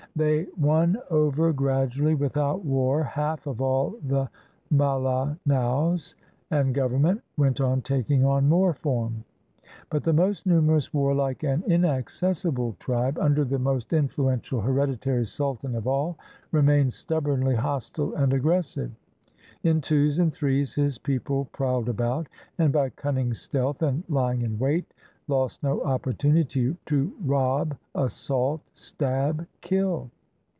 They won over gradually, without war, half of all the Mala naos, and government went on taking on more form; but the most numerous, warlike, and inaccessible tribe, under the most influential hereditary sultan of all, remained stubbornly hostile and aggressive. In twos and threes, his people prowled about, and by cunning, stealth, and lying in wait, lost no opportunity to rob, assault, stab, kill.